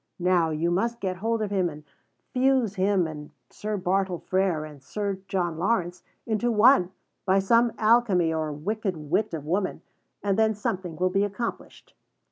Now, you must get hold of him and fuse him and Sir Bartle Frere and Sir John Lawrence into one by some alchemy or wicked wit of woman, and then something will be accomplished."